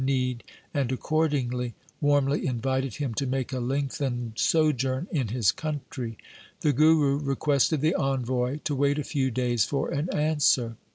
16 THE SIKH RELIGION need, and accordingly warmly invited him to make a lengthened sojourn in his country. The Guru requested the envoy to wait a few days for an answer.